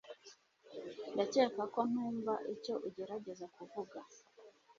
Ndakeka ko ntumva icyo ugerageza kuvuga